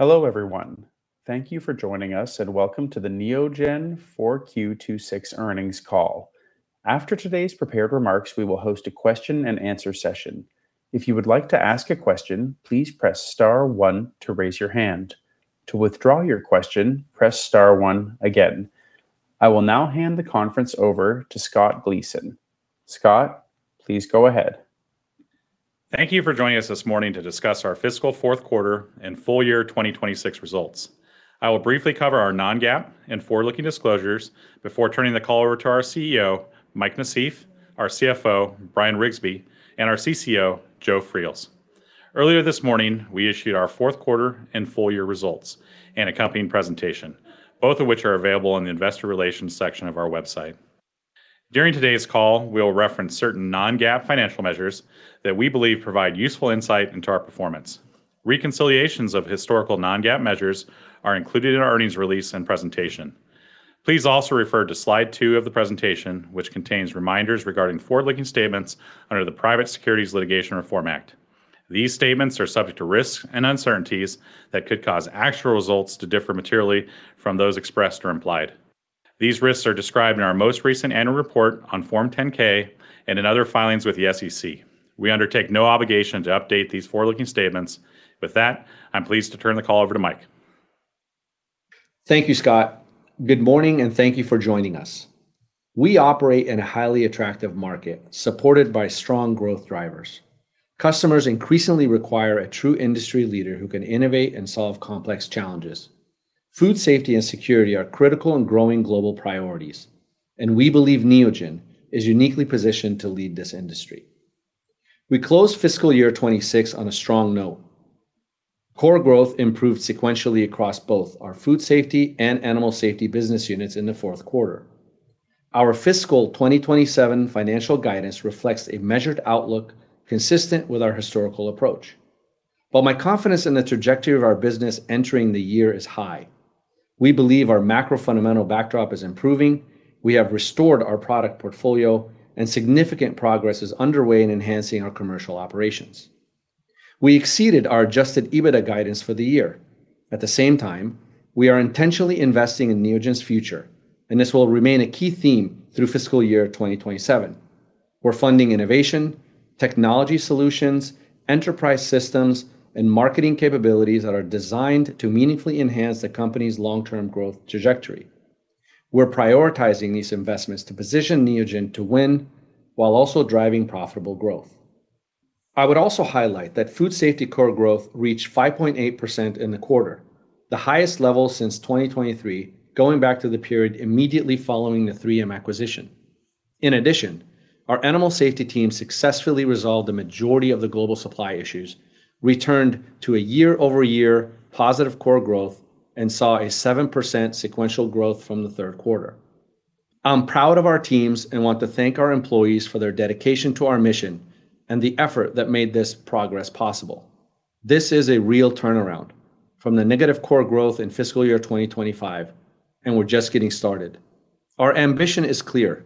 Hello, everyone. Thank you for joining us, and welcome to the Neogen 4Q 2026 earnings call. After today's prepared remarks, we will host a question-and-answer session. If you would like to ask a question, please press star one to raise your hand. To withdraw your question, press star one again. I will now hand the conference over to Scott Gleason. Scott, please go ahead. Thank you for joining us this morning to discuss our fiscal fourth quarter and full year 2026 results. I will briefly cover our non-GAAP and forward-looking disclosures before turning the call over to our CEO, Mike Nassif, our CFO, Bryan Riggsbee, and our CCO, Joe Freels. Earlier this morning, we issued our fourth quarter and full year results and accompanying presentation, both of which are available in the investor relations section of our website. During today's call, we'll reference certain non-GAAP financial measures that we believe provide useful insight into our performance. Reconciliations of historical non-GAAP measures are included in our earnings release and presentation. Please also refer to slide two of the presentation, which contains reminders regarding forward-looking statements under the Private Securities Litigation Reform Act. These statements are subject to risks and uncertainties that could cause actual results to differ materially from those expressed or implied. These risks are described in our most recent annual report on Form 10-K and in other filings with the SEC. We undertake no obligation to update these forward-looking statements. With that, I'm pleased to turn the call over to Mike. Thank you, Scott. Good morning. Thank you for joining us. We operate in a highly attractive market supported by strong growth drivers. Customers increasingly require a true industry leader who can innovate and solve complex challenges. Food safety and security are critical and growing global priorities. We believe Neogen is uniquely positioned to lead this industry. We closed fiscal year 2026 on a strong note. Core growth improved sequentially across both our food safety and animal safety business units in the fourth quarter. Our fiscal 2027 financial guidance reflects a measured outlook consistent with our historical approach. My confidence in the trajectory of our business entering the year is high. We believe our macro fundamental backdrop is improving, we have restored our product portfolio, and significant progress is underway in enhancing our commercial operations. We exceeded our adjusted EBITDA guidance for the year. At the same time, we are intentionally investing in Neogen's future, and this will remain a key theme through fiscal year 2027. We are funding innovation, technology solutions, enterprise systems, and marketing capabilities that are designed to meaningfully enhance the company's long-term growth trajectory. We are prioritizing these investments to position Neogen to win while also driving profitable growth. I would also highlight that food safety core growth reached 5.8% in the quarter, the highest level since 2023, going back to the period immediately following the 3M acquisition. In addition, our animal safety team successfully resolved the majority of the global supply issues, returned to a year-over-year positive core growth, and saw a 7% sequential growth from the third quarter. I am proud of our teams and want to thank our employees for their dedication to our mission and the effort that made this progress possible. This is a real turnaround from the negative core growth in fiscal year 2025, and we are just getting started. Our ambition is clear: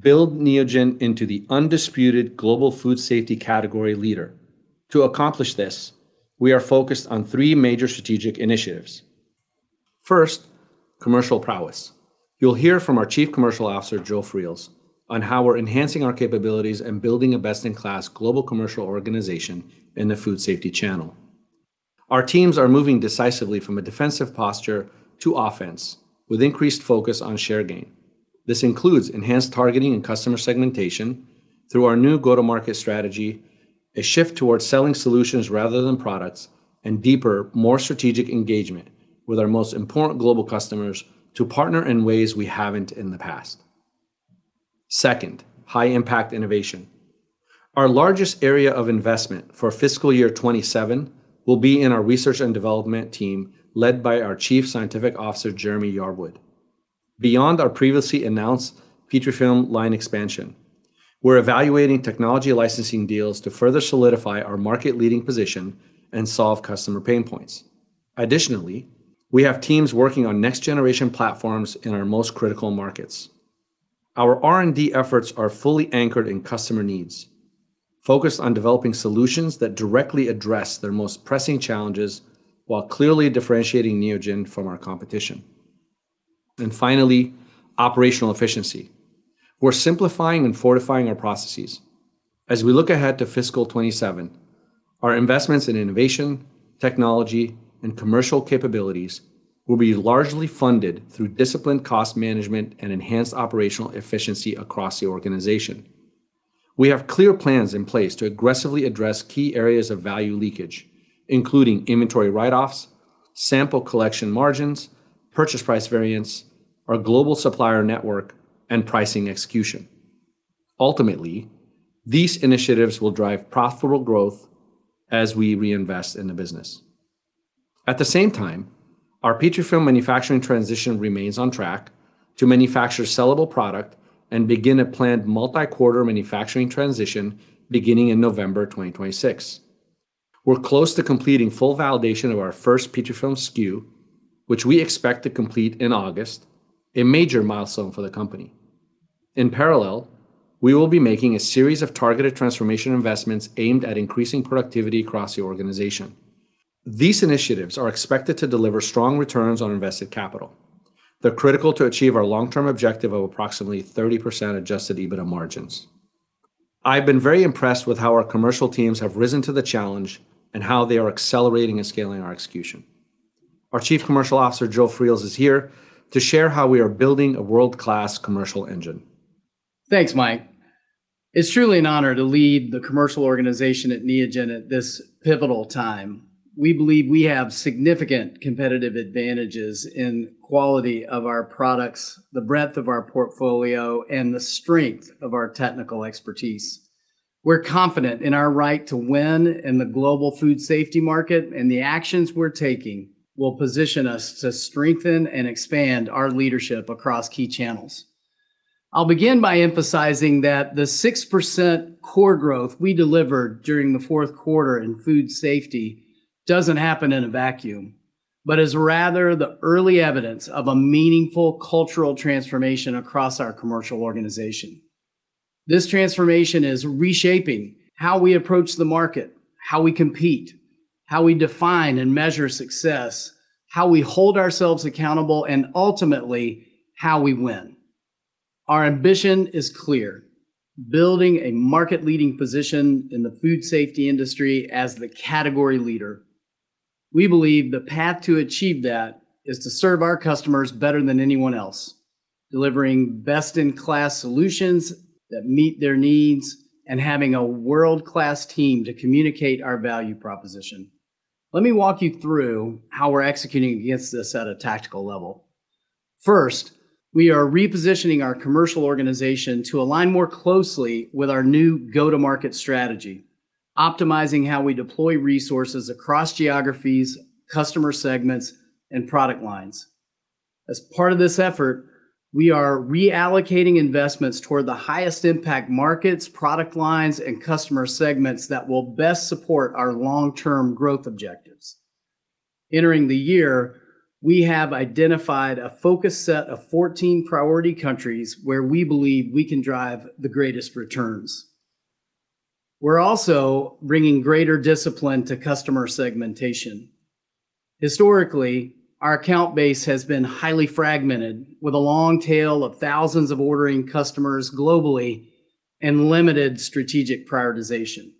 build Neogen into the undisputed global food safety category leader. To accomplish this, we are focused on three major strategic initiatives. First, commercial prowess. You will hear from our Chief Commercial Officer, Joe Freels, on how we are enhancing our capabilities and building a best-in-class global commercial organization in the food safety channel. Our teams are moving decisively from a defensive posture to offense with increased focus on share gain. This includes enhanced targeting and customer segmentation through our new go-to-market strategy, a shift towards selling solutions rather than products, and deeper, more strategic engagement with our most important global customers to partner in ways we haven't in the past. Second, high impact innovation. Our largest area of investment for fiscal year 2027 will be in our research and development team, led by our Chief Scientific Officer, Jeremy Yarwood. Beyond our previously announced Petrifilm line expansion, we are evaluating technology licensing deals to further solidify our market leading position and solve customer pain points. Additionally, we have teams working on next generation platforms in our most critical markets. Our R&D efforts are fully anchored in customer needs, focused on developing solutions that directly address their most pressing challenges while clearly differentiating Neogen from our competition. Finally, operational efficiency. We are simplifying and fortifying our processes. As we look ahead to fiscal 2027, our investments in innovation, technology, and commercial capabilities will be largely funded through disciplined cost management and enhanced operational efficiency across the organization. We have clear plans in place to aggressively address key areas of value leakage, including inventory write-offs, sample collection margins, purchase price variance, our global supplier network, and pricing execution. Ultimately, these initiatives will drive profitable growth as we reinvest in the business. At the same time, our Petrifilm manufacturing transition remains on track to manufacture sellable product and begin a planned multi-quarter manufacturing transition beginning in November 2026. We are close to completing full validation of our first Petrifilm SKU, which we expect to complete in August, a major milestone for the company. In parallel, we will be making a series of targeted transformation investments aimed at increasing productivity across the organization. These initiatives are expected to deliver strong returns on invested capital. They are critical to achieve our long-term objective of approximately 30% adjusted EBITDA margins. I've been very impressed with how our commercial teams have risen to the challenge and how they are accelerating and scaling our execution. Our Chief Commercial Officer, Joe Freels, is here to share how we are building a world-class commercial engine. Thanks, Mike. It's truly an honor to lead the commercial organization at Neogen at this pivotal time. We believe we have significant competitive advantages in quality of our products, the breadth of our portfolio, and the strength of our technical expertise. We're confident in our right to win in the global food safety market, the actions we're taking will position us to strengthen and expand our leadership across key channels. I'll begin by emphasizing that the 6% core growth we delivered during the fourth quarter in food safety doesn't happen in a vacuum, is rather the early evidence of a meaningful cultural transformation across our commercial organization. This transformation is reshaping how we approach the market, how we compete, how we define and measure success, how we hold ourselves accountable, and ultimately, how we win. Our ambition is clear: building a market-leading position in the food safety industry as the category leader. We believe the path to achieve that is to serve our customers better than anyone else, delivering best-in-class solutions that meet their needs and having a world-class team to communicate our value proposition. Let me walk you through how we're executing against this at a tactical level. First, we are repositioning our commercial organization to align more closely with our new go-to-market strategy, optimizing how we deploy resources across geographies, customer segments, and product lines. As part of this effort, we are reallocating investments toward the highest impact markets, product lines, and customer segments that will best support our long-term growth objectives. Entering the year, we have identified a focused set of 14 priority countries where we believe we can drive the greatest returns. We're also bringing greater discipline to customer segmentation. Historically, our account base has been highly fragmented with a long tail of thousands of ordering customers globally and limited strategic prioritization.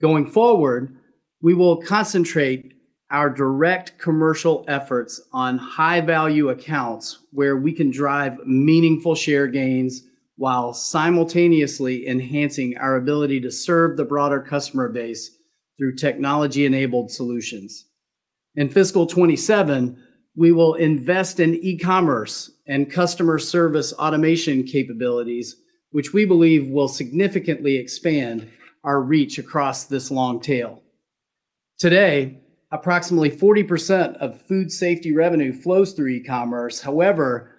Going forward, we will concentrate our direct commercial efforts on high-value accounts where we can drive meaningful share gains while simultaneously enhancing our ability to serve the broader customer base through technology-enabled solutions. In fiscal 2027, we will invest in e-commerce and customer service automation capabilities, which we believe will significantly expand our reach across this long tail. Today, approximately 40% of food safety revenue flows through e-commerce. However,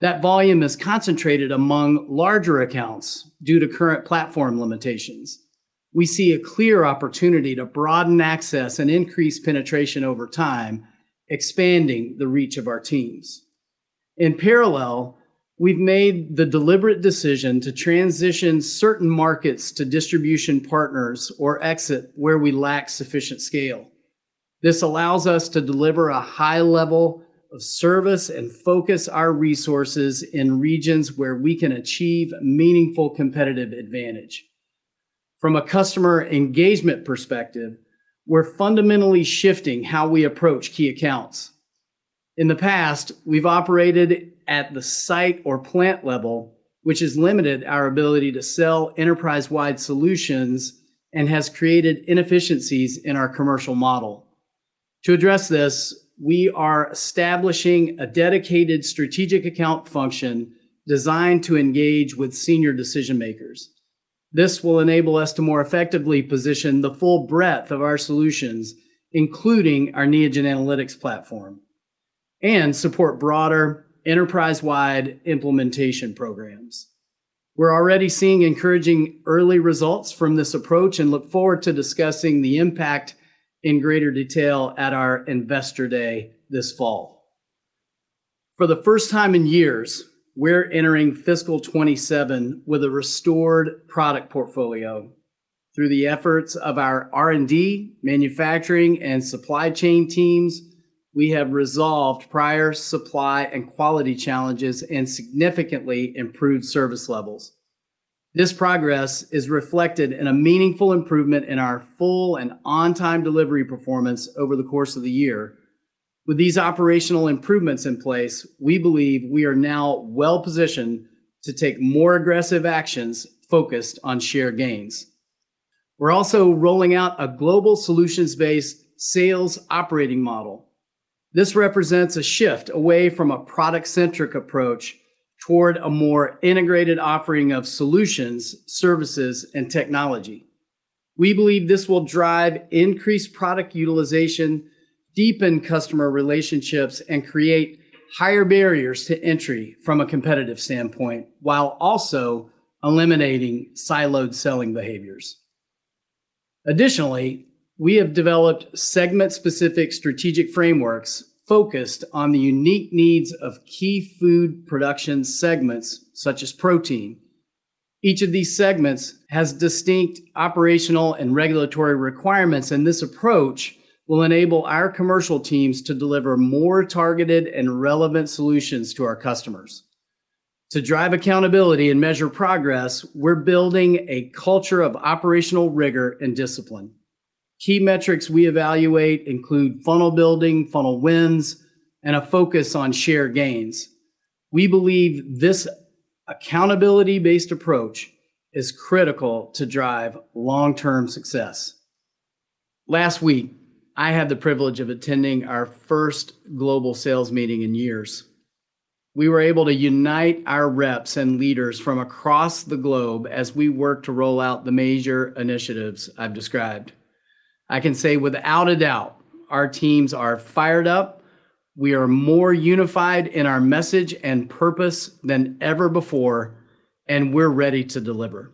that volume is concentrated among larger accounts due to current platform limitations. We see a clear opportunity to broaden access and increase penetration over time, expanding the reach of our teams. In parallel, we've made the deliberate decision to transition certain markets to distribution partners or exit where we lack sufficient scale. This allows us to deliver a high level of service and focus our resources in regions where we can achieve meaningful competitive advantage. From a customer engagement perspective, we're fundamentally shifting how we approach key accounts. In the past, we've operated at the site or plant level, which has limited our ability to sell enterprise-wide solutions and has created inefficiencies in our commercial model. To address this, we are establishing a dedicated strategic account function designed to engage with senior decision-makers. This will enable us to more effectively position the full breadth of our solutions, including our Neogen Analytics platform, and support broader enterprise-wide implementation programs. We're already seeing encouraging early results from this approach and look forward to discussing the impact in greater detail at our investor day this fall. For the first time in years, we're entering fiscal 2027 with a restored product portfolio. Through the efforts of our R&D, manufacturing, and supply chain teams, we have resolved prior supply and quality challenges and significantly improved service levels. This progress is reflected in a meaningful improvement in our full and on-time delivery performance over the course of the year. With these operational improvements in place, we believe we are now well-positioned to take more aggressive actions focused on share gains. We're also rolling out a global solutions-based sales operating model. This represents a shift away from a product-centric approach toward a more integrated offering of solutions, services, and technology. We believe this will drive increased product utilization, deepen customer relationships, and create higher barriers to entry from a competitive standpoint, while also eliminating siloed selling behaviors. Additionally, we have developed segment specific strategic frameworks focused on the unique needs of key food production segments such as protein. Each of these segments has distinct operational and regulatory requirements. This approach will enable our commercial teams to deliver more targeted and relevant solutions to our customers. To drive accountability and measure progress, we're building a culture of operational rigor and discipline. Key metrics we evaluate include funnel building, funnel wins, and a focus on share gains. We believe this accountability-based approach is critical to drive long-term success. Last week, I had the privilege of attending our first global sales meeting in years. We were able to unite our reps and leaders from across the globe as we work to roll out the major initiatives I've described. I can say without a doubt our teams are fired up, we are more unified in our message and purpose than ever before, and we're ready to deliver.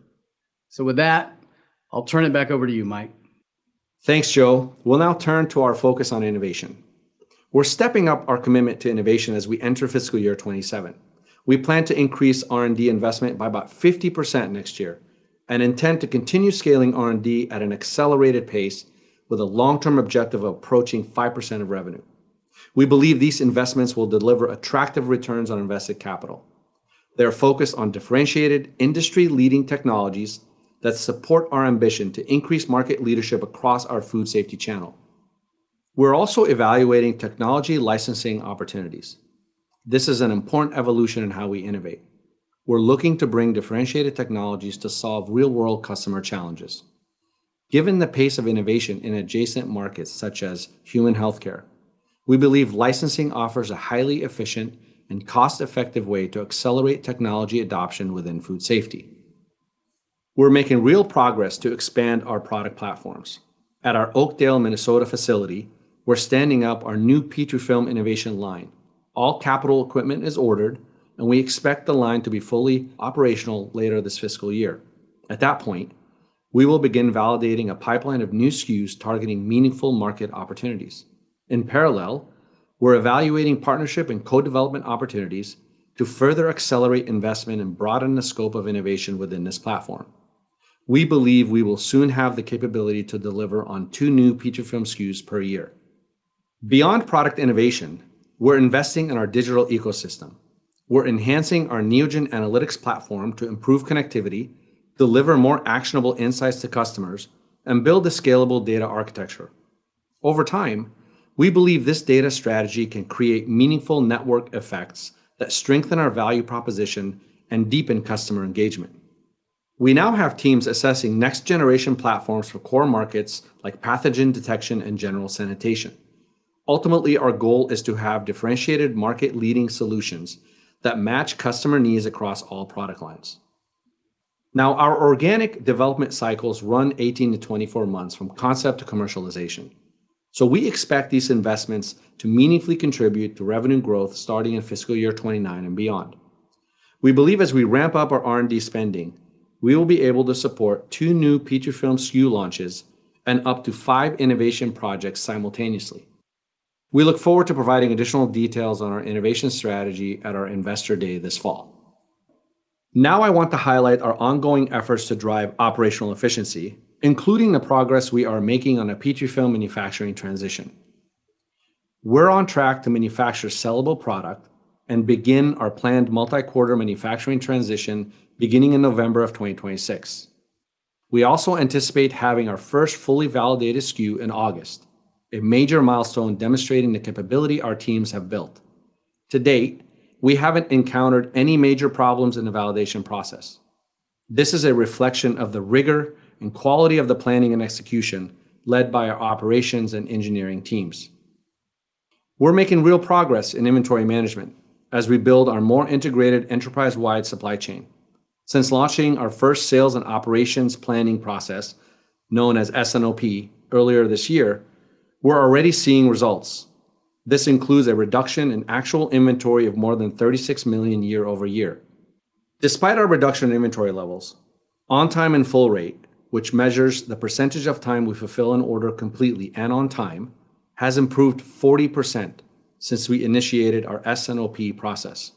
With that, I'll turn it back over to you, Mike. Thanks, Joe. We'll now turn to our focus on innovation. We're stepping up our commitment to innovation as we enter fiscal year 2027. We plan to increase R&D investment by about 50% next year and intend to continue scaling R&D at an accelerated pace with a long-term objective of approaching 5% of revenue. We believe these investments will deliver attractive returns on invested capital. They are focused on differentiated, industry leading technologies that support our ambition to increase market leadership across our food safety channel. We're also evaluating technology licensing opportunities. This is an important evolution in how we innovate. We're looking to bring differentiated technologies to solve real-world customer challenges. Given the pace of innovation in adjacent markets such as human healthcare, we believe licensing offers a highly efficient and cost-effective way to accelerate technology adoption within food safety. We're making real progress to expand our product platforms. At our Oakdale, Minnesota facility, we're standing up our new Petrifilm innovation line. All capital equipment is ordered, and we expect the line to be fully operational later this fiscal year. At that point, we will begin validating a pipeline of new SKUs targeting meaningful market opportunities. In parallel, we're evaluating partnership and co-development opportunities to further accelerate investment and broaden the scope of innovation within this platform. We believe we will soon have the capability to deliver on two new Petrifilm SKUs per year. Beyond product innovation, we're investing in our digital ecosystem. We're enhancing our Neogen Analytics platform to improve connectivity, deliver more actionable insights to customers, and build a scalable data architecture. Over time, we believe this data strategy can create meaningful network effects that strengthen our value proposition and deepen customer engagement. We now have teams assessing Next Generation platforms for core markets like pathogen detection and general sanitation. Ultimately, our goal is to have differentiated market leading solutions that match customer needs across all product lines. Our organic development cycles run 18 to 24 months from concept to commercialization. We expect these investments to meaningfully contribute to revenue growth starting in fiscal year 2029 and beyond. We believe as we ramp up our R&D spending, we will be able to support two new Petrifilm SKU launches and up to five innovation projects simultaneously. We look forward to providing additional details on our innovation strategy at our Investor Day this fall. I want to highlight our ongoing efforts to drive operational efficiency, including the progress we are making on a Petrifilm manufacturing transition. We're on track to manufacture sellable product and begin our planned multi-quarter manufacturing transition beginning in November of 2026. We also anticipate having our first fully validated SKU in August, a major milestone demonstrating the capability our teams have built. To date, we haven't encountered any major problems in the validation process. This is a reflection of the rigor and quality of the planning and execution led by our operations and engineering teams. We're making real progress in inventory management as we build our more integrated enterprise-wide supply chain. Since launching our first sales and operations planning process, known as S&OP, earlier this year, we're already seeing results. This includes a reduction in actual inventory of more than $36 million year-over-year. Despite our reduction in inventory levels, on time and full rate, which measures the percentage of time we fulfill an order completely and on time, has improved 40% since we initiated our S&OP process.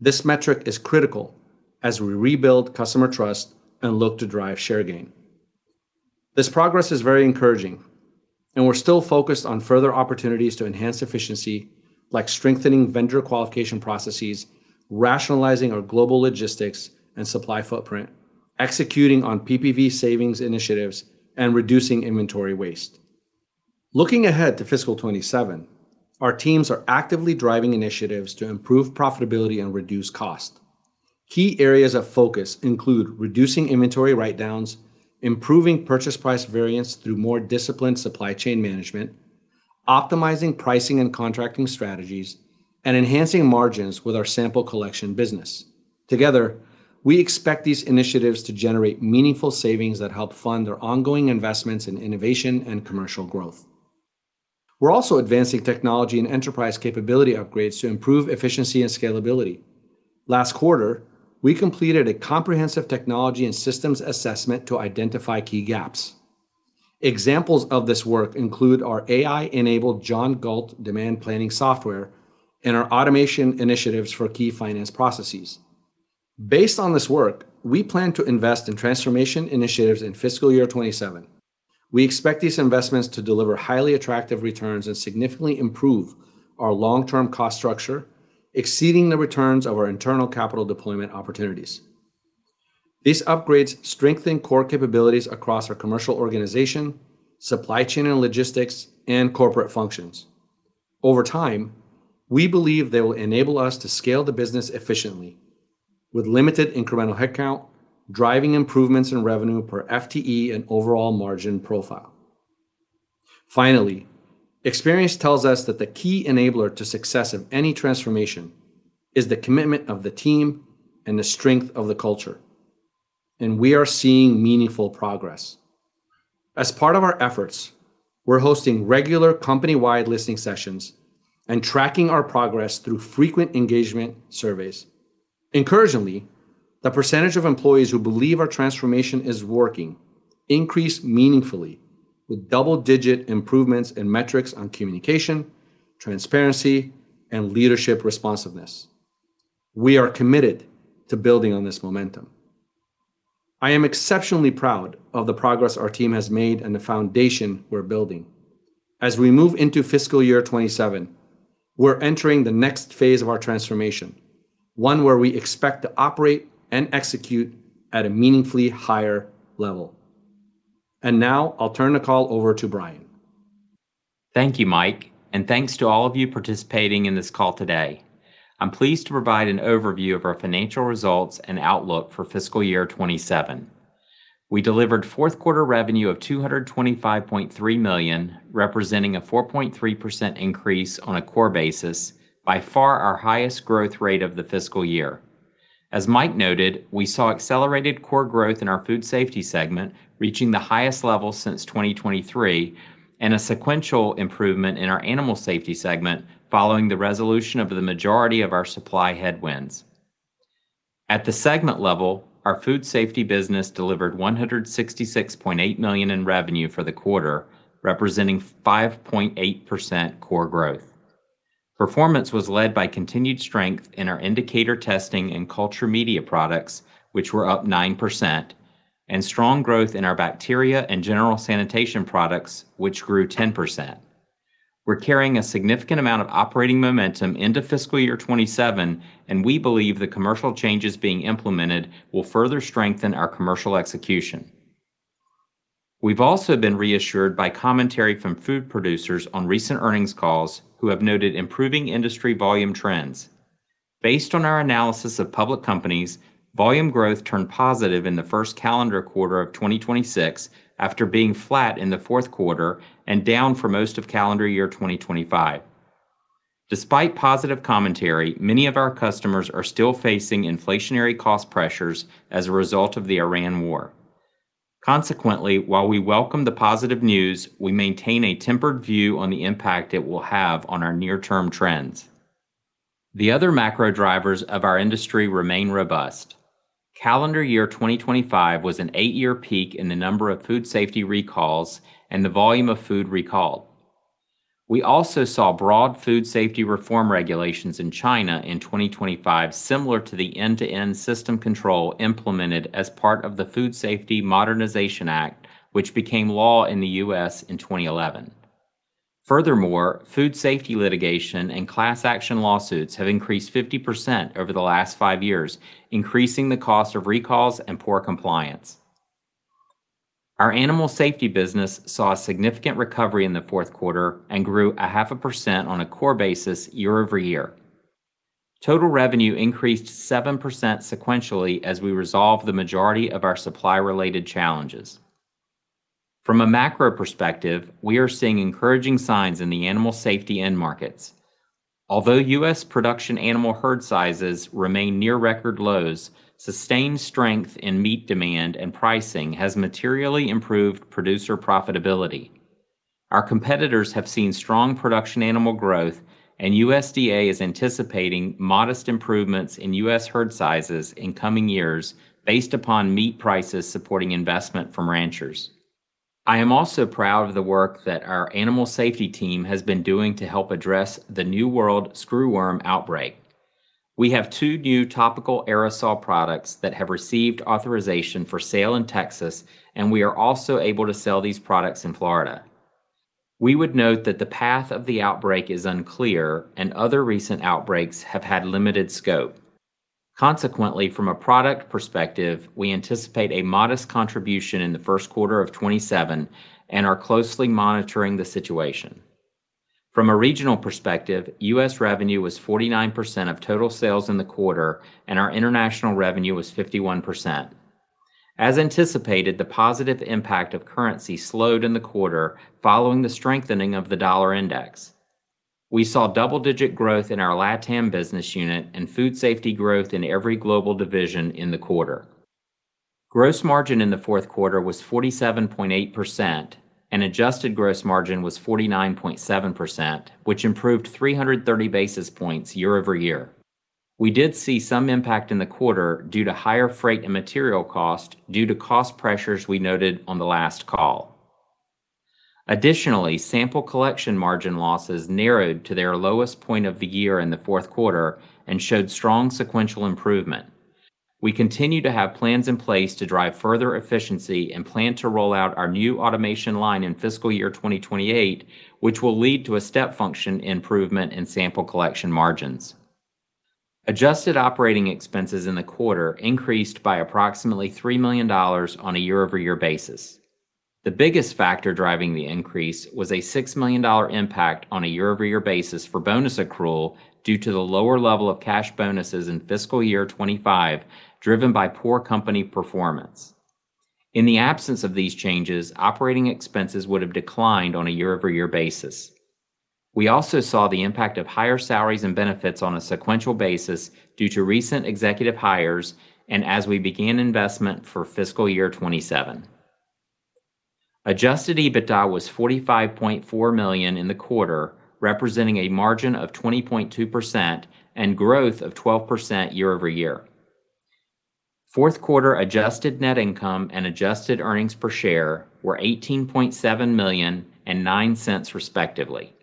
This metric is critical as we rebuild customer trust and look to drive share gain. This progress is very encouraging, and we're still focused on further opportunities to enhance efficiency, like strengthening vendor qualification processes, rationalizing our global logistics and supply footprint, executing on PPV savings initiatives, and reducing inventory waste. Looking ahead to fiscal 2027, our teams are actively driving initiatives to improve profitability and reduce cost. Key areas of focus include reducing inventory write-downs, improving purchase price variance through more disciplined supply chain management, optimizing pricing and contracting strategies, and enhancing margins with our sample collection business. Together, we expect these initiatives to generate meaningful savings that help fund our ongoing investments in innovation and commercial growth. We're also advancing technology and enterprise capability upgrades to improve efficiency and scalability. Last quarter, we completed a comprehensive technology and systems assessment to identify key gaps. Examples of this work include our AI-enabled John Galt demand planning software and our automation initiatives for key finance processes. Based on this work, we plan to invest in transformation initiatives in fiscal year 2027. We expect these investments to deliver highly attractive returns and significantly improve our long-term cost structure, exceeding the returns of our internal capital deployment opportunities. These upgrades strengthen core capabilities across our commercial organization, supply chain and logistics, and corporate functions. Over time, we believe they will enable us to scale the business efficiently with limited incremental headcount, driving improvements in revenue per FTE and overall margin profile. Finally, experience tells us that the key enabler to success of any transformation is the commitment of the team and the strength of the culture. We are seeing meaningful progress. As part of our efforts, we're hosting regular company-wide listening sessions and tracking our progress through frequent engagement surveys. Encouragingly, the percentage of employees who believe our transformation is working increased meaningfully with double-digit improvements in metrics on communication, transparency, and leadership responsiveness. We are committed to building on this momentum. I am exceptionally proud of the progress our team has made and the foundation we're building. As we move into fiscal year 2027, we're entering the next phase of our transformation, one where we expect to operate and execute at a meaningfully higher level. Now I'll turn the call over to Bryan. Thank you, Mike. Thanks to all of you participating in this call today. I'm pleased to provide an overview of our financial results and outlook for fiscal year 2027. We delivered fourth quarter revenue of $225.3 million, representing a 4.3% increase on a core basis, by far our highest growth rate of the fiscal year. As Mike noted, we saw accelerated core growth in our food safety segment, reaching the highest level since 2023, and a sequential improvement in our animal safety segment following the resolution of the majority of our supply headwinds. At the segment level, our food safety business delivered $166.8 million in revenue for the quarter, representing 5.8% core growth. Performance was led by continued strength in our Indicator Testing and Culture Media products, which were up 9%, and strong growth in our bacteria and general sanitation products, which grew 10%. We're carrying a significant amount of operating momentum into fiscal year 2027. We believe the commercial changes being implemented will further strengthen our commercial execution. We've also been reassured by commentary from food producers on recent earnings calls who have noted improving industry volume trends. Based on our analysis of public companies, volume growth turned positive in the first calendar quarter of 2026 after being flat in the fourth quarter and down for most of calendar year 2025. Despite positive commentary, many of our customers are still facing inflationary cost pressures as a result of the Ukraine war. Consequently, while we welcome the positive news, we maintain a tempered view on the impact it will have on our near-term trends. The other macro drivers of our industry remain robust. Calendar year 2025 was an eight-year peak in the number of food safety recalls and the volume of food recalled. We also saw broad food safety reform regulations in China in 2025, similar to the end-to-end system control implemented as part of the Food Safety Modernization Act, which became law in the U.S. in 2011. Furthermore, food safety litigation and class action lawsuits have increased 50% over the last five years, increasing the cost of recalls and poor compliance. Our animal safety business saw a significant recovery in the fourth quarter and grew a half a percent on a core basis year-over-year. Total revenue increased 7% sequentially as we resolved the majority of our supply-related challenges. From a macro perspective, we are seeing encouraging signs in the animal safety end markets. Although U.S. production animal herd sizes remain near record lows, sustained strength in meat demand and pricing has materially improved producer profitability. Our competitors have seen strong production animal growth. USDA is anticipating modest improvements in U.S. herd sizes in coming years based upon meat prices supporting investment from ranchers. I am also proud of the work that our animal safety team has been doing to help address the New World screwworm outbreak. We have two new topical aerosol products that have received authorization for sale in Texas, and we are also able to sell these products in Florida. We would note that the path of the outbreak is unclear and other recent outbreaks have had limited scope. Consequently, from a product perspective, we anticipate a modest contribution in the first quarter of 2027 and are closely monitoring the situation. From a regional perspective, U.S. revenue was 49% of total sales in the quarter, and our international revenue was 51%. As anticipated, the positive impact of currency slowed in the quarter following the strengthening of the dollar index. We saw double-digit growth in our LATAM business unit and food safety growth in every global division in the quarter. Gross margin in the fourth quarter was 47.8%, and adjusted gross margin was 49.7%, which improved 330 basis points year-over-year. We did see some impact in the quarter due to higher freight and material cost due to cost pressures we noted on the last call. Additionally, sample collection margin losses narrowed to their lowest point of the year in the fourth quarter and showed strong sequential improvement. We continue to have plans in place to drive further efficiency and plan to roll out our new automation line in FY 2028, which will lead to a step function improvement in sample collection margins. Adjusted operating expenses in the quarter increased by approximately $3 million on a year-over-year basis. The biggest factor driving the increase was a $6 million impact on a year-over-year basis for bonus accrual due to the lower level of cash bonuses in FY 2025, driven by poor company performance. In the absence of these changes, operating expenses would have declined on a year-over-year basis. We also saw the impact of higher salaries and benefits on a sequential basis due to recent executive hires and as we began investment for FY 2027. Adjusted EBITDA was $45.4 million in the quarter, representing a margin of 20.2% and growth of 12% year-over-year. Fourth quarter adjusted net income and adjusted earnings per share were $18.7 million and $0.09 respectively.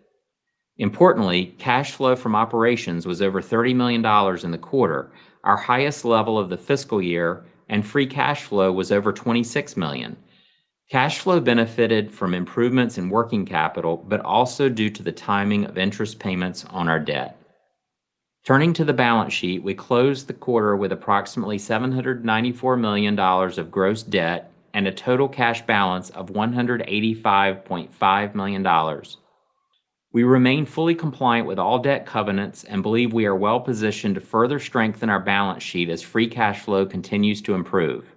Importantly, cash flow from operations was over $30 million in the quarter, our highest level of the fiscal year, and free cash flow was over $26 million. Cash flow benefited from improvements in working capital, but also due to the timing of interest payments on our debt. Turning to the balance sheet, we closed the quarter with approximately $794 million of gross debt and a total cash balance of $185.5 million. We remain fully compliant with all debt covenants and believe we are well positioned to further strengthen our balance sheet as free cash flow continues to improve.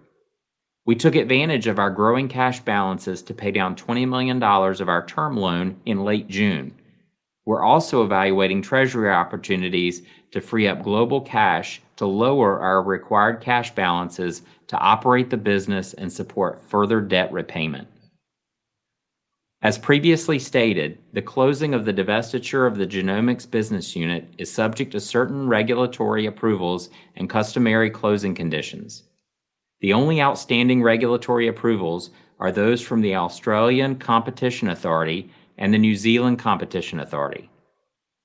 We took advantage of our growing cash balances to pay down $20 million of our term loan in late June. We are also evaluating treasury opportunities to free up global cash to lower our required cash balances to operate the business and support further debt repayment. As previously stated, the closing of the divestiture of the Genomics business unit is subject to certain regulatory approvals and customary closing conditions. The only outstanding regulatory approvals are those from the Australian Competition Authority and the New Zealand Competition Authority.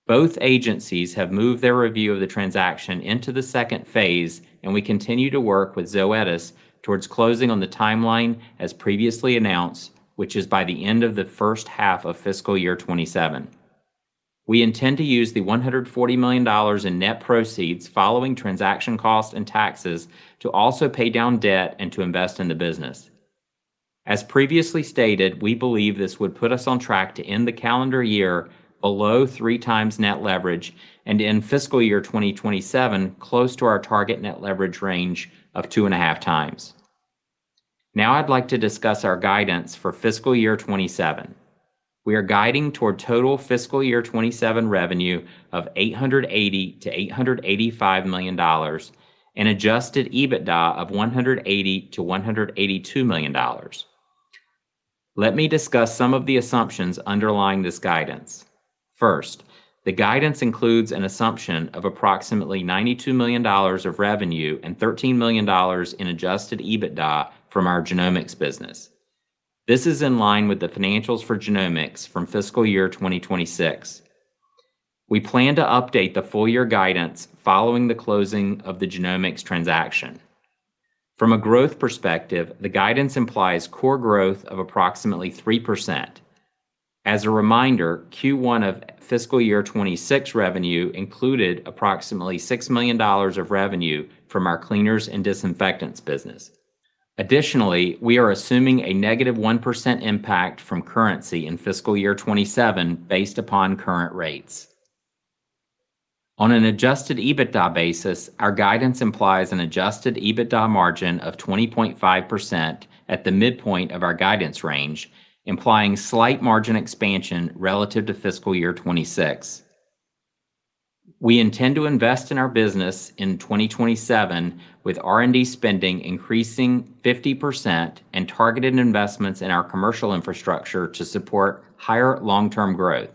Both agencies have moved their review of the transaction into the second phase, and we continue to work with Zoetis towards closing on the timeline, as previously announced, which is by the end of the first half of fiscal year 2027. We intend to use the $140 million in net proceeds following transaction costs and taxes to also pay down debt and to invest in the business. As previously stated, we believe this would put us on track to end the calendar year below three times net leverage and in fiscal year 2027, close to our target net leverage range of two and a half times. Now I would like to discuss our guidance for fiscal year 2027. We are guiding toward total fiscal year 2027 revenue of $880 million-$885 million and adjusted EBITDA of $180 million-$182 million. Let me discuss some of the assumptions underlying this guidance. First, the guidance includes an assumption of approximately $92 million of revenue and $13 million in adjusted EBITDA from our Genomics business. This is in line with the financials for Genomics from fiscal year 2026. We plan to update the full year guidance following the closing of the Genomics transaction. From a growth perspective, the guidance implies core growth of approximately 3%. As a reminder, Q1 of fiscal year 2026 revenue included approximately $6 million of revenue from our Cleaners and Disinfectants business. Additionally, we are assuming a -1% impact from currency in fiscal year 2027 based upon current rates. On an adjusted EBITDA basis, our guidance implies an adjusted EBITDA margin of 20.5% at the midpoint of our guidance range, implying slight margin expansion relative to fiscal year 2026. We intend to invest in our business in 2027 with R&D spending increasing 50% and targeted investments in our commercial infrastructure to support higher long-term growth.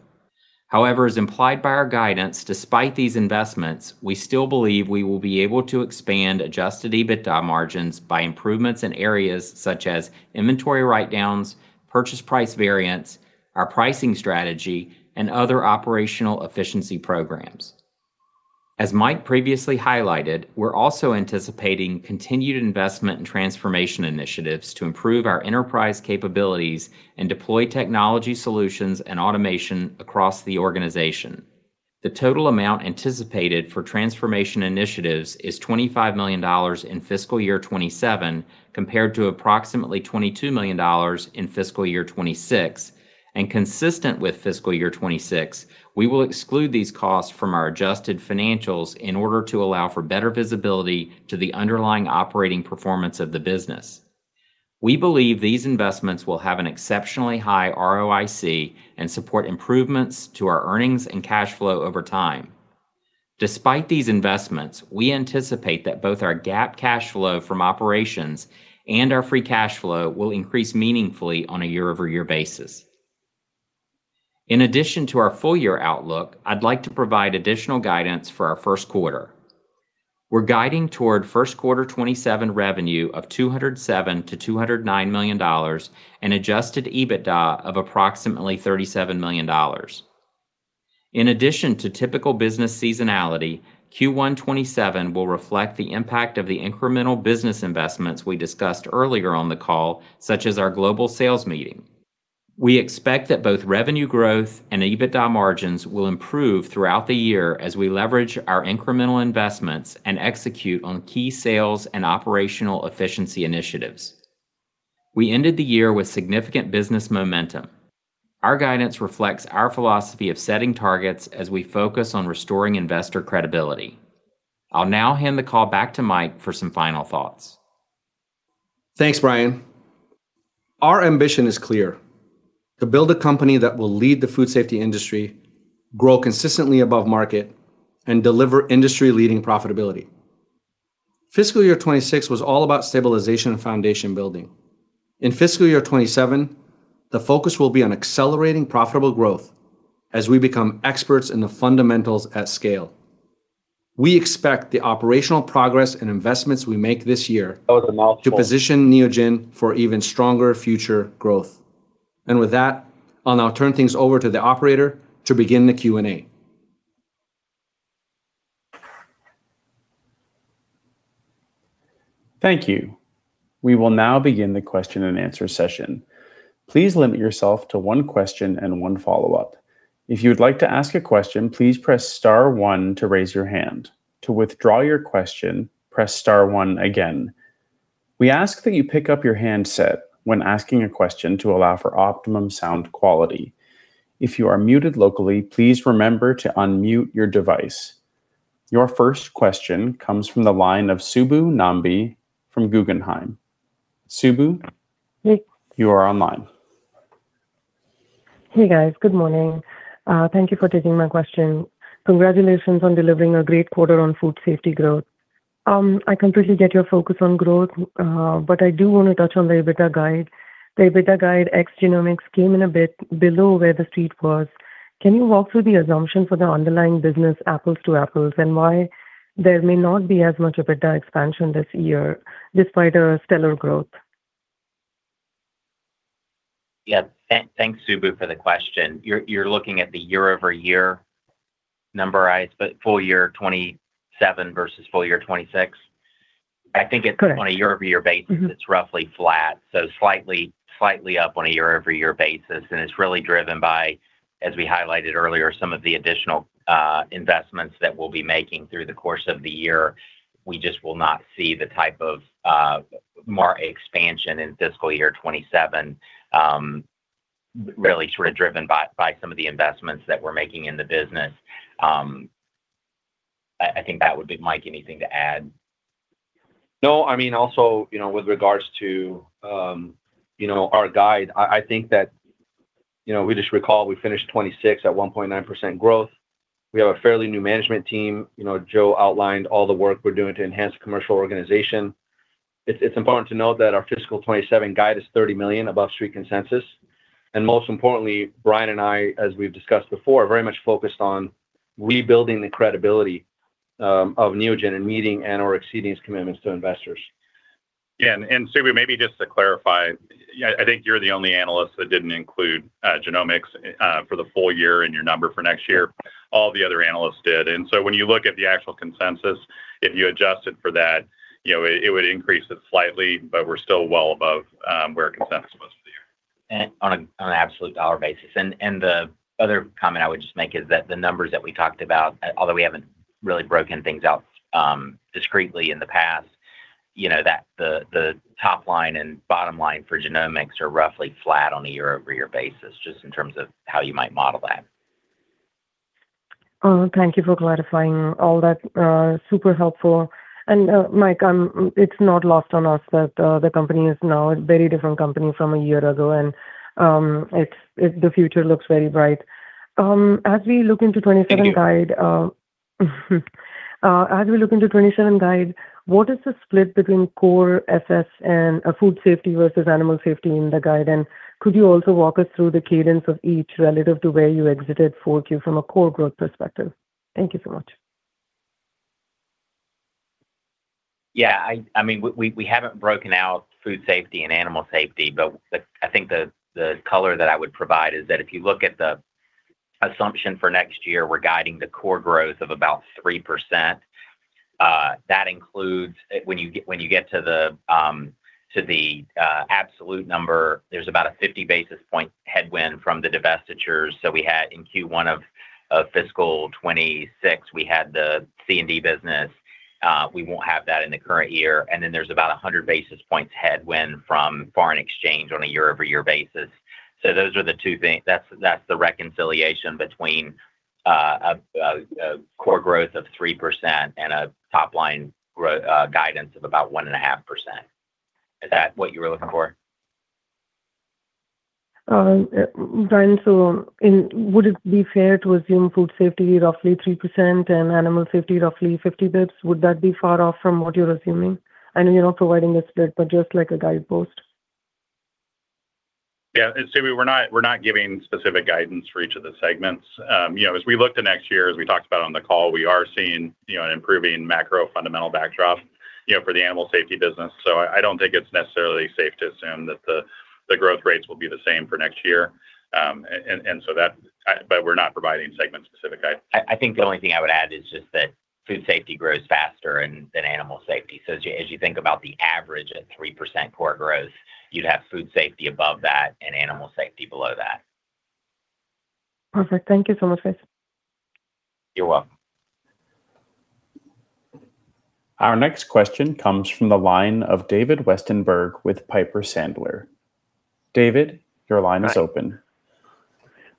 However, as implied by our guidance, despite these investments, we still believe we will be able to expand adjusted EBITDA margins by improvements in areas such as inventory write-downs, purchase price variance, our pricing strategy, and other operational efficiency programs. As Mike previously highlighted, we are also anticipating continued investment in transformation initiatives to improve our enterprise capabilities and deploy technology solutions and automation across the organization. The total amount anticipated for transformation initiatives is $25 million in fiscal year 2027, compared to approximately $22 million in fiscal year 2026, and consistent with fiscal year 2026, we will exclude these costs from our adjusted financials in order to allow for better visibility to the underlying operating performance of the business. We believe these investments will have an exceptionally high ROIC and support improvements to our earnings and cash flow over time. Despite these investments, we anticipate that both our GAAP cash flow from operations and our free cash flow will increase meaningfully on a year-over-year basis. In addition to our full-year outlook, I'd like to provide additional guidance for our first quarter. We're guiding toward first quarter 2027 revenue of $207 million-$209 million an adjusted EBITDA of approximately $37 million. In addition to typical business seasonality, Q1 2027 will reflect the impact of the incremental business investments we discussed earlier on the call, such as our global sales meeting. We expect that both revenue growth and EBITDA margins will improve throughout the year as we leverage our incremental investments and execute on key sales and operational efficiency initiatives. We ended the year with significant business momentum. Our guidance reflects our philosophy of setting targets as we focus on restoring investor credibility. I'll now hand the call back to Mike for some final thoughts. Thanks, Bryan. Our ambition is clear: To build a company that will lead the food safety industry, grow consistently above market, and deliver industry-leading profitability. Fiscal year 2026 was all about stabilization and foundation building. In fiscal year 2027, the focus will be on accelerating profitable growth as we become experts in the fundamentals at scale. We expect the operational progress and investments we make this year to position Neogen for even stronger future growth. With that, I'll now turn things over to the operator to begin the Q&A. Thank you. We will now begin the question and answer session. Please limit yourself to one question and one follow-up. If you would like to ask a question, please press star one to raise your hand. To withdraw your question, press star one again. We ask that you pick up your handset when asking a question to allow for optimum sound quality. If you are muted locally, please remember to unmute your device. Your first question comes from the line of Subbu Nambi from Guggenheim. Subbu? Hey. You are online. Hey, guys. Good morning. Thank you for taking my question. Congratulations on delivering a great quarter on food safety growth. I completely get your focus on growth, but I do want to touch on the EBITDA guide. The EBITDA guide ex Genomics came in a bit below where the street was. Can you walk through the assumption for the underlying business apples to apples, and why there may not be as much EBITDA expansion this year despite a stellar growth? Yeah. Thanks, Subbu, for the question. You're looking at the year-over-year number, full year 27 versus full year 26? Correct. I think on a year-over-year basis, it's roughly flat, so slightly up on a year-over-year basis. It's really driven by, as we highlighted earlier, some of the additional investments that we'll be making through the course of the year. We just will not see the type of margin expansion in full year 2027. Really sort of driven by some of the investments that we're making in the business. I think that would be Mike, anything to add? No. Also, with regards to our guide, I think that we just recall we finished 2026 at 1.9% growth. We have a fairly new management team. Joe outlined all the work we're doing to enhance the commercial organization. It's important to note that our fiscal 2027 guide is $30 million above Street consensus. Most importantly, Bryan and I, as we've discussed before, are very much focused on rebuilding the credibility of Neogen and meeting and/or exceeding its commitments to investors. Yeah. Subbu, maybe just to clarify. I think you're the only analyst that didn't include Genomics for the full year in your number for next year. All the other analysts did. When you look at the actual consensus, if you adjusted for that, it would increase it slightly, but we're still well above where consensus was for the year. On an absolute dollar basis. The other comment I would just make is that the numbers that we talked about, although we haven't really broken things out discretely in the past, that the top line and bottom line for Genomics are roughly flat on a year-over-year basis, just in terms of how you might model that. Thank you for clarifying all that. Super helpful. Mike, it's not lost on us that the company is now a very different company from a year ago, and the future looks very bright. As we look into 2027 guide. Thank you. As we look into 2027 guide, what is the split between core SS and food safety versus animal safety in the guide? Could you also walk us through the cadence of each relative to where you exited 4Q from a core growth perspective? Thank you so much. Yeah. We haven't broken out food safety and animal safety, but I think the color that I would provide is that if you look at the assumption for next year, we're guiding the core growth of about 3%. That includes when you get to the absolute number, there's about a 50 basis point headwind from the divestitures. We had in Q1 of fiscal 2026, we had the C&D business. We won't have that in the current year. Then there's about 100 basis points headwind from foreign exchange on a year-over-year basis. Those are the two things. That's the reconciliation between a core growth of 3% and a top line guidance of about 1.5%. Is that what you were looking for? Bryan, would it be fair to assume food safety is roughly 3% and animal safety is roughly 50 basis points? Would that be far off from what you're assuming? I know you're not providing a split, but just like a guidepost. Yeah. Subbu, we're not giving specific guidance for each of the segments. We look to next year, as we talked about on the call, we are seeing an improving macro fundamental backdrop for the animal safety business. I don't think it's necessarily safe to assume that the growth rates will be the same for next year. We're not providing segment specific guide. I think the only thing I would add is just that food safety grows faster than animal safety. As you think about the average at 3% core growth, you'd have food safety above that and animal safety below that. Perfect. Thank you so much, guys. You're welcome. Our next question comes from the line of David Westenberg with Piper Sandler. David, your line is open.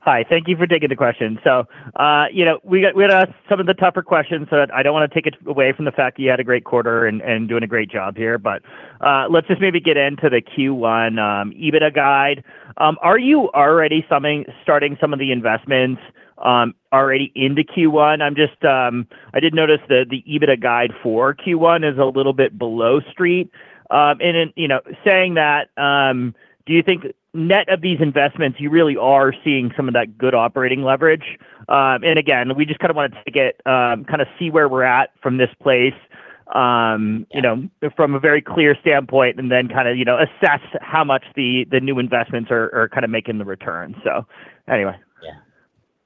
Hi. Thank you for taking the question. We had asked some of the tougher questions, so I don't want to take away from the fact that you had a great quarter and doing a great job here. Let's just maybe get into the Q1 EBITDA guide. Are you already starting some of the investments already into Q1? I did notice that the EBITDA guide for Q1 is a little bit below street. In saying that, do you think net of these investments, you really are seeing some of that good operating leverage? Again, we just kind of wanted to see where we're at from this place from a very clear standpoint, and then kind of assess how much the new investments are making the return. Anyway. Yeah.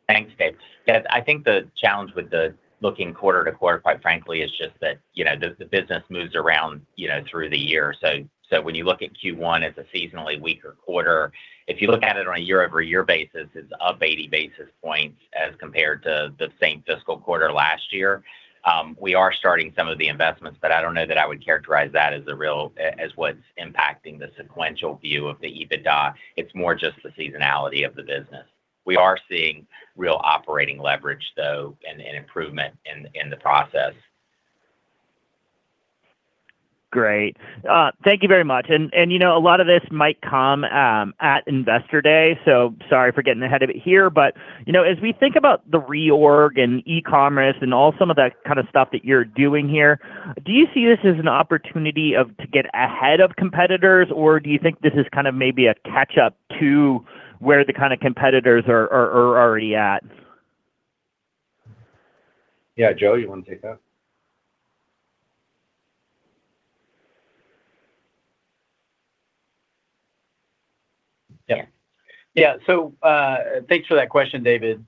Thanks, Dave. Yeah, I think the challenge with the looking quarter to quarter, quite frankly, is just that the business moves around through the year. When you look at Q1, it's a seasonally weaker quarter. If you look at it on a year-over-year basis, it's up 80 basis points as compared to the same fiscal quarter last year. We are starting some of the investments, but I don't know that I would characterize that as what's impacting the sequential view of the EBITDA. It's more just the seasonality of the business. We are seeing real operating leverage, though, and improvement in the process. Great. Thank you very much. A lot of this might come at Investor Day, sorry for getting ahead of it here. As we think about the reorg and e-commerce and all some of the kind of stuff that you're doing here, do you see this as an opportunity to get ahead of competitors, or do you think this is kind of maybe a catch-up to where the kind of competitors are already at? Yeah. Joe, you want to take that? Yeah. Thanks for that question, David.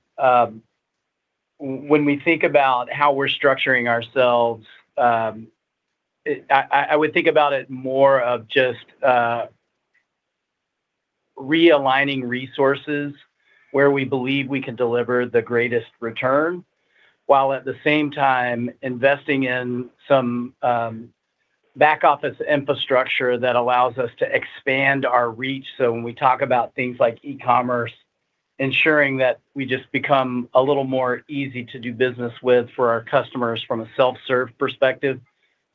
When we think about how we're structuring ourselves, I would think about it more of just realigning resources where we believe we can deliver the greatest return, while at the same time investing in some back office infrastructure that allows us to expand our reach. When we talk about things like e-commerce, ensuring that we just become a little more easy to do business with for our customers from a self-serve perspective,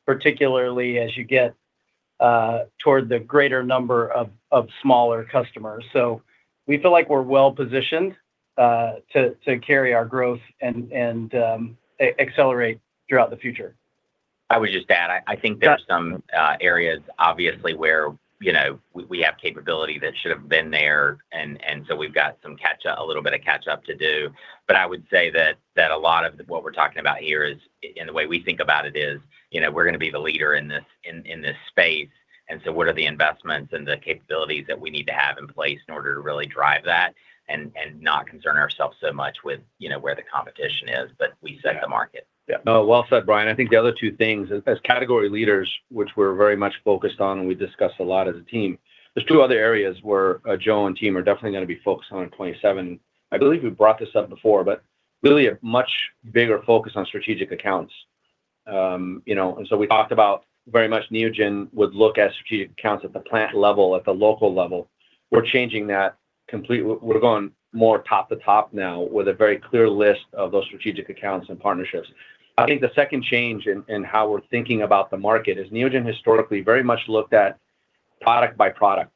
particularly as you get toward the greater number of smaller customers. We feel like we're well positioned to carry our growth and accelerate throughout the future. I would just add, I think there are some areas obviously where we have capability that should've been there. We've got a little bit of catch up to do. I would say that a lot of what we're talking about here is, and the way we think about it is, we're going to be the leader in this space. What are the investments and the capabilities that we need to have in place in order to really drive that and not concern ourselves so much with where the competition is, but we set the market. Yeah. Well said, Bryan. I think the other two things, as category leaders, which we're very much focused on and we discuss a lot as a team, there's two other areas where Joe and team are definitely going to be focused on in 2027. I believe we've brought this up before, really a much bigger focus on strategic accounts. We talked about very much Neogen would look at strategic accounts at the plant level, at the local level. We're changing that completely. We're going more top to top now with a very clear list of those strategic accounts and partnerships. I think the second change in how we're thinking about the market is Neogen historically very much looked at product by product.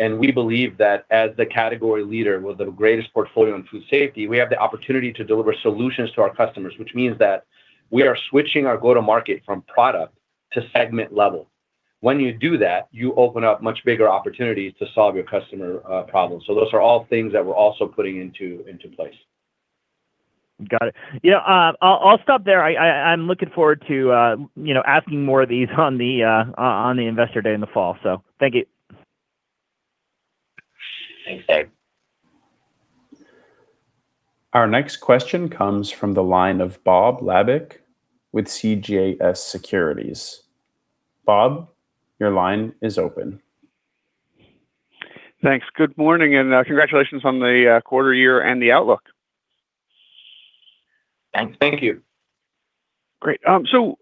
We believe that as the category leader with the greatest portfolio in food safety, we have the opportunity to deliver solutions to our customers, which means that we are switching our go to market from product to segment level. When you do that, you open up much bigger opportunities to solve your customer problems. Those are all things that we're also putting into place. Got it. I'll stop there. I'm looking forward to asking more of these on the Investor Day in the fall. Thank you. Thanks, Dave. Our next question comes from the line of Bob Labick with CJS Securities. Bob, your line is open. Thanks. Good morning, congratulations on the quarter year and the outlook. Thanks. Thank you. Great. I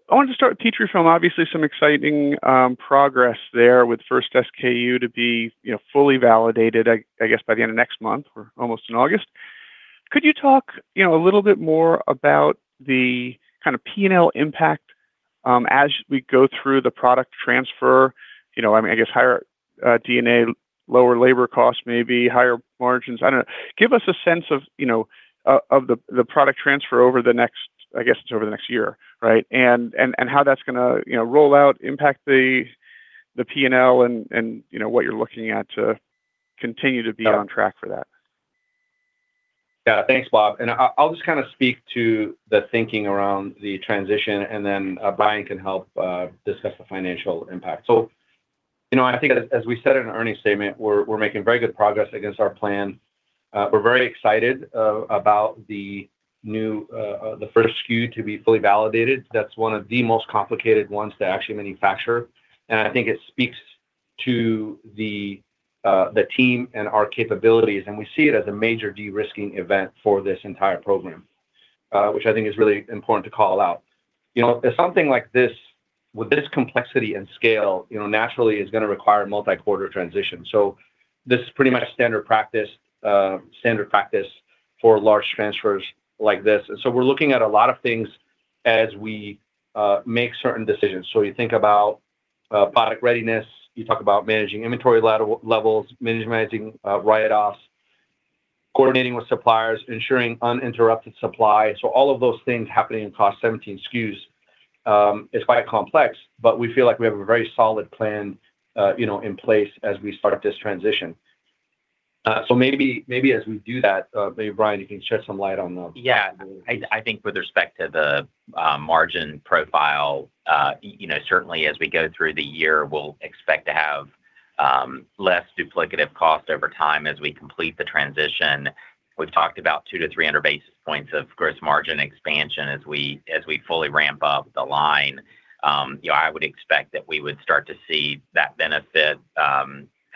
wanted to start with Petrifilm. Obviously some exciting progress there with first SKU to be fully validated, I guess by the end of next month or almost in August. Could you talk a little bit more about the kind of P&L impact as we go through the product transfer? I guess higher D&A, lower labor costs, maybe higher margins. I don't know. Give us a sense of the product transfer over the next, I guess, it's over the next year, right? How that's going to roll out, impact the P&L and what you're looking at to continue to be on track for that. Yeah. Thanks, Bob. I'll just speak to the thinking around the transition, and then Bryan can help discuss the financial impact. I think as we said in the earnings statement, we're making very good progress against our plan. We're very excited about the first SKU to be fully validated. That's one of the most complicated ones to actually manufacture, and I think it speaks to the team and our capabilities, and we see it as a major de-risking event for this entire program, which I think is really important to call out. With something like this, with this complexity and scale, naturally it's going to require a multi-quarter transition. This is pretty much standard practice for large transfers like this. We're looking at a lot of things as we make certain decisions. You think about product readiness, you talk about managing inventory levels, managing write-offs, coordinating with suppliers, ensuring uninterrupted supply. All of those things happening across 17 SKUs is quite complex, but we feel like we have a very solid plan in place as we start this transition. Maybe as we do that, maybe Bryan, you can shed some light on those. Yeah. I think with respect to the margin profile, certainly as we go through the year, we'll expect to have less duplicative cost over time as we complete the transition. We've talked about 200 to 300 basis points of gross margin expansion as we fully ramp up the line. I would expect that we would start to see that benefit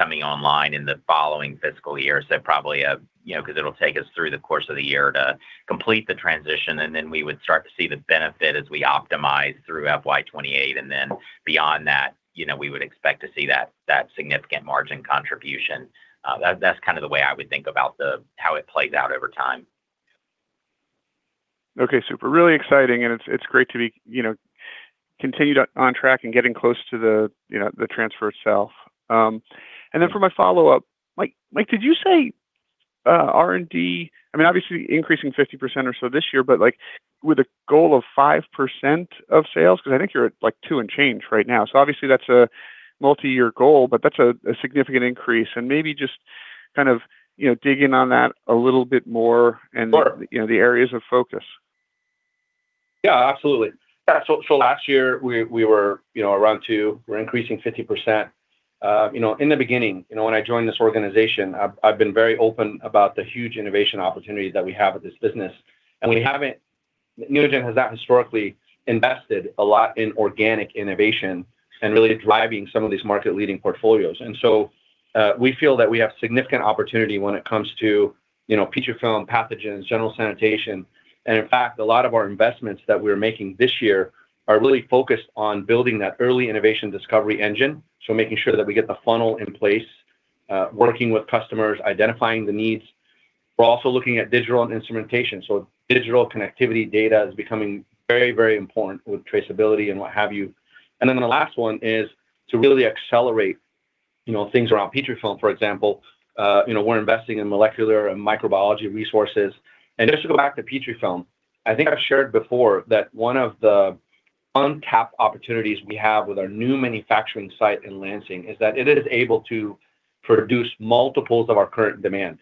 coming online in the following fiscal year, because it'll take us through the course of the year to complete the transition, and then we would start to see the benefit as we optimize through FY 2028. Beyond that, we would expect to see that significant margin contribution. That's kind of the way I would think about how it plays out over time. Okay. Super. It's great to be continued on track and getting close to the transfer itself. For my follow-up, Mike, did you say R&D, I mean, obviously increasing 50% or so this year, but with a goal of 5% of sales? Because I think you're at, like, two and change right now. Obviously that's a multi-year goal, but that's a significant increase and maybe just kind of dig in on that a little bit more and. Sure. The areas of focus. Yeah, absolutely. Last year we were around two. We're increasing 50%. In the beginning, when I joined this organization, I've been very open about the huge innovation opportunities that we have with this business. Neogen has not historically invested a lot in organic innovation and really driving some of these market-leading portfolios. We feel that we have significant opportunity when it comes to Petrifilm, pathogens, general sanitation, and in fact, a lot of our investments that we're making this year are really focused on building that early innovation discovery engine. Making sure that we get the funnel in place, working with customers, identifying the needs. We're also looking at digital and instrumentation. Digital connectivity data is becoming very, very important with traceability and what have you. The last one is to really accelerate things around Petrifilm, for example. We're investing in molecular and microbiology resources. Just to go back to Petrifilm, I think I've shared before that one of the untapped opportunities we have with our new manufacturing site in Lansing is that it is able to produce multiples of our current demand.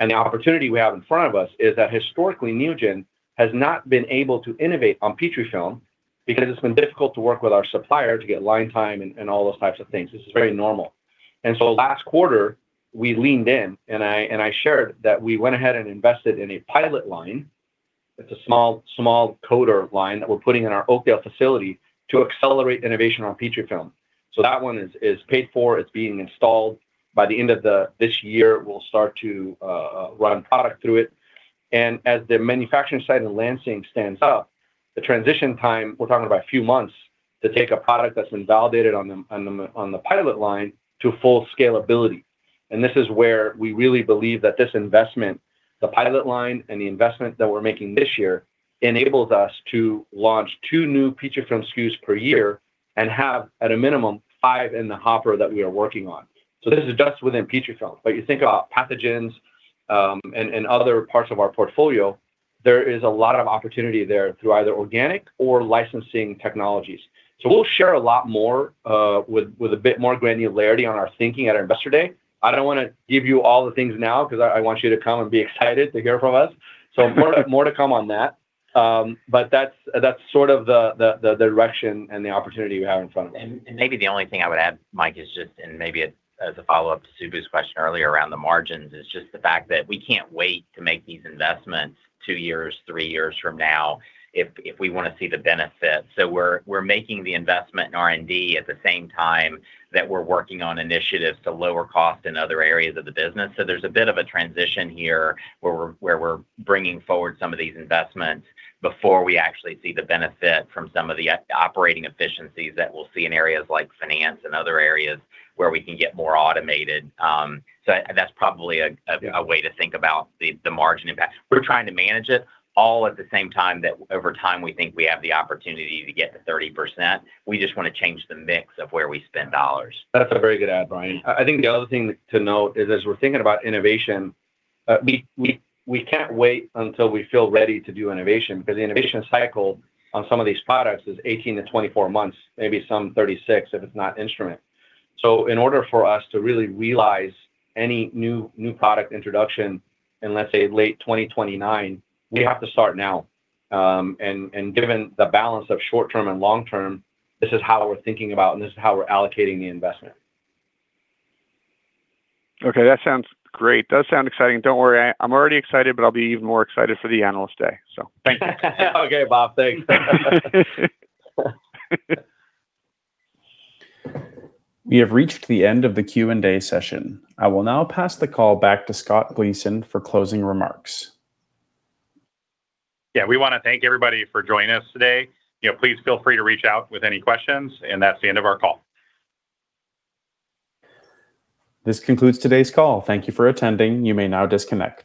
The opportunity we have in front of us is that historically, Neogen has not been able to innovate on Petrifilm because it's been difficult to work with our supplier to get line time and all those types of things. This is very normal. Last quarter we leaned in, and I shared that we went ahead and invested in a pilot line. It's a small coder line that we're putting in our Oakdale facility to accelerate innovation on Petrifilm. That one is paid for. It's being installed. By the end of this year, we'll start to run product through it. As the manufacturing site in Lansing stands up, the transition time, we're talking about a few months to take a product that's been validated on the pilot line to full scalability. This is where we really believe that this investment, the pilot line, and the investment that we're making this year enables us to launch two new Petrifilm SKUs per year and have, at a minimum, five in the hopper that we are working on. This is just within Petrifilm. You think about pathogens, and other parts of our portfolio, there is a lot of opportunity there through either organic or licensing technologies. We'll share a lot more, with a bit more granularity on our thinking at our Investor Day. I don't want to give you all the things now because I want you to come and be excited to hear from us. More to come on that. That's sort of the direction and the opportunity we have in front of us. Maybe the only thing I would add, Mike, is just, and maybe as a follow-up to Subbu's question earlier around the margins, is just the fact that we can't wait to make these investments two years, three years from now if we want to see the benefit. We're making the investment in R&D at the same time that we're working on initiatives to lower cost in other areas of the business. There's a bit of a transition here where we're bringing forward some of these investments before we actually see the benefit from some of the operating efficiencies that we'll see in areas like finance and other areas where we can get more automated. That's probably a way to think about the margin impact. We're trying to manage it all at the same time that over time, we think we have the opportunity to get to 30%. We just want to change the mix of where we spend dollars. That's a very good add, Bryan. I think the other thing to note is as we're thinking about innovation, we can't wait until we feel ready to do innovation because the innovation cycle on some of these products is 18 months-24 months, maybe some 36 if it's not instrument. In order for us to really realize any new product introduction in, let's say, late 2029, we have to start now. Given the balance of short-term and long-term, this is how we're thinking about it, and this is how we're allocating the investment. Okay. That sounds great. Does sound exciting. Don't worry, I'm already excited, but I'll be even more excited for the Analyst Day. Thank you. Okay, Bob. Thanks. We have reached the end of the Q&A session. I will now pass the call back to Scott Gleason for closing remarks. We want to thank everybody for joining us today. Please feel free to reach out with any questions, that's the end of our call. This concludes today's call. Thank you for attending. You may now disconnect.